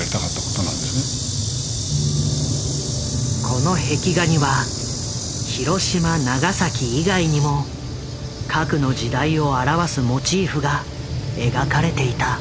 この壁画にはヒロシマ・ナガサキ以外にも核の時代を表すモチーフが描かれていた。